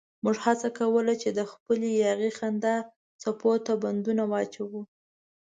موږ هڅه کوله چې د خپلې یاغي خندا څپو ته بندونه واچوو.